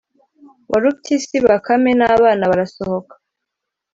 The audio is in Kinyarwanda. warupyisi, bakame, n’abana barasohoka,